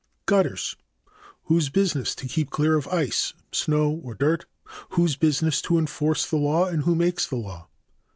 5. Gutters. a. Whose business to keep clear of ice, snow or dirt. b. Whose business to enforce the law and who makes the law?